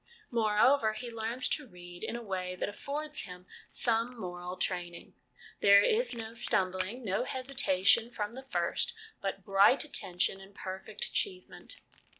Moreover, he learns to read in a way that affords him some moral training. There is no stumbling, no hesitation from the first, but bright attention and perfect achievement.